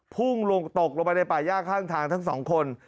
พุ่งลงตกลงไปในป่าย่าข้างทางทั้งสองคน